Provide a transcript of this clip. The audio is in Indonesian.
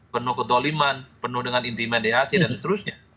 penuh ketoliman penuh dengan inti mediasi dan seterusnya